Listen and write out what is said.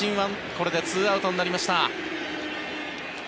これで２アウトになりました。